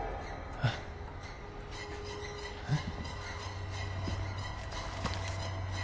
えっえっ？